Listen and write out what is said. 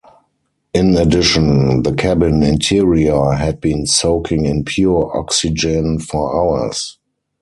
In addition, the cabin interior had been soaking in pure oxygen for hours.